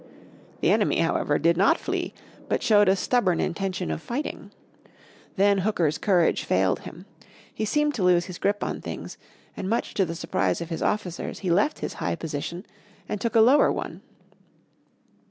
The enemy, however, did not flee, but showed a stubborn intention of fighting. Then Hooker's courage failed him. He seemed to lose his grip on things, and much to the surprise of his officers he left his high position and took a lower one.